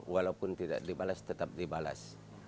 walaupun tidak dibalas tetap dibalas